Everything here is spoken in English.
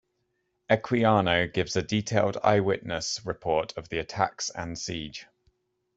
Equiano gives a detailed eyewitness report of the attacks and siege.